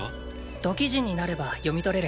土器人になれば読み取れる。